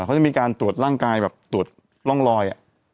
เขาจะมีการตรวจร่างกายแบบตรวจร่องรอย